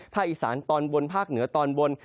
อีสานตอนบนภาคเหนือตอนบน